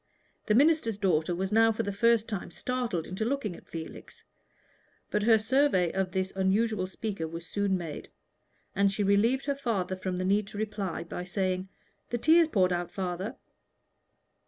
The minister's daughter was now for the first time startled into looking at Felix. But her survey of this unusual speaker was soon made, and she relieved her father from the need to reply by saying "The tea is poured out, father."